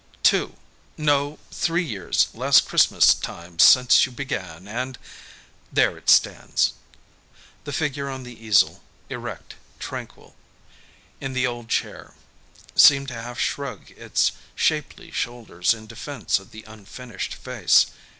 Two no, three years last Christmas time since you began. And there it stands." The figure on the easel, erect, tranquil, in the old chair, seemed to half shrug its shapely shoulders in defense of the unfinished face.